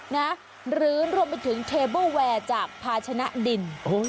หรือรวมไปถึงเทเบอร์แวร์จากภาชนะดิน